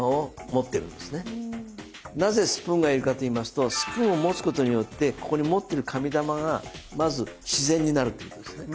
なぜスプーンが要るかといいますとスプーンを持つことによってここに持ってる紙玉がまず自然になるっていうことですね。